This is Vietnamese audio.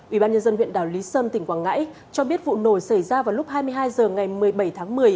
ủy ban nhân dân huyện đảo lý sơn tỉnh quảng ngãi cho biết vụ nổ xảy ra vào lúc hai mươi hai h ngày một mươi bảy tháng một mươi